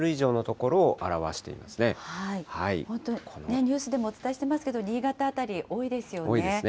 本当に、ニュースでもお伝えしていますけど、新潟辺り、多いですよね。